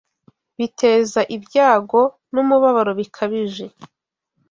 biteza ibyago n’umubabaro bikabije